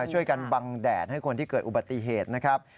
ช่วยกันบังแดดให้คนที่เกิดอุบัติเหตุนะครับ